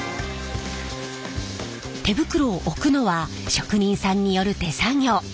手袋を置くのは職人さんによる手作業。